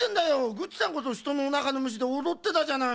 グッチさんこそひとのおなかのむしでおどってたじゃない。